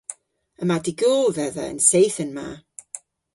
Yma dy'gol dhedha an seythen ma.